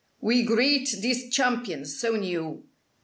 We greet these champions, so new.